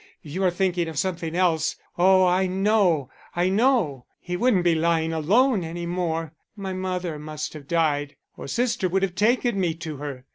You are thinking of something else. Oh, I know, I know. He wouldn't be lying alone any more. My mother must have died, or sister would have taken me to her.